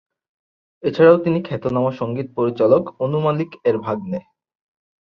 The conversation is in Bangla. এছাড়াও তিনি খ্যাতনামা সঙ্গীত পরিচালক অনু মালিক এর ভাগ্নে।